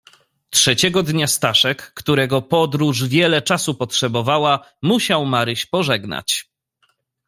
"Trzeciego dnia Staszek, którego podróż wiele czasu potrzebowała, musiał Maryś pożegnać."